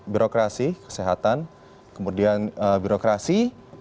birokrasi kesehatan kemudian birokrasi